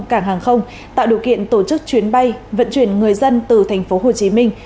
cảng hàng không tạo điều kiện tổ chức chuyến bay vận chuyển người dân từ thành phố hồ chí minh